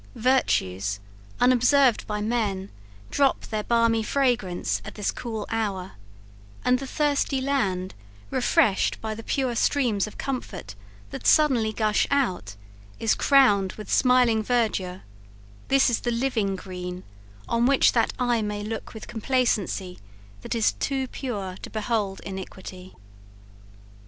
Virtues, unobserved by men, drop their balmy fragrance at this cool hour, and the thirsty land, refreshed by the pure streams of comfort that suddenly gush out, is crowned with smiling verdure; this is the living green on which that eye may look with complacency that is too pure to behold iniquity!